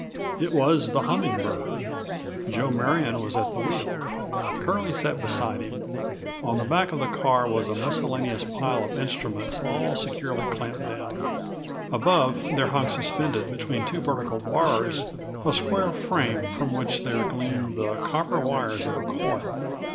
It was the Humming Bird. Joe Marion was at the wheel. Curlie sat beside him. On the back of the car was a miscellaneous pile of instruments all securely clamped down. Above there hung suspended between two vertical bars a square frame from which there gleamed the copper wires of a coil.